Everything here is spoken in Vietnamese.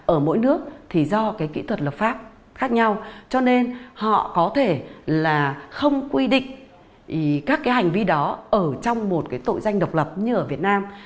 ở mỗi nước thì do cái kỹ thuật lập pháp khác nhau cho nên họ có thể là không quy định các cái hành vi đó ở trong một cái tội danh độc lập như ở việt nam